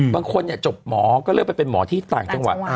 บางคนจบหมอก็เลือกไปเป็นหมอที่ต่างจังหวัด